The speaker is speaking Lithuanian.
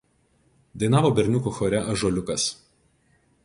Dainavo berniukų chore „Ąžuoliukas“.